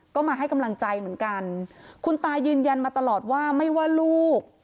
ก็มาให้กำลังใจเหมือนกันคุณตายืนยันมาตลอดว่าไม่ว่าลูก